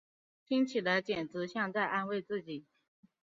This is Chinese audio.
听起来简直像在安慰自己